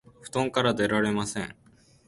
布団から出られません